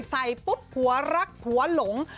ใส่ปุ๊บหัวลักหัวหลง